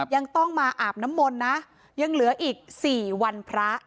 ยังต้องมาอาบน้ำมนต์นะยังเหลืออีก๔วันพระ